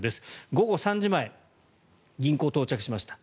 午後３時前銀行、到着しました。